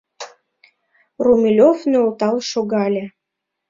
Румелёв нӧлтал шогале.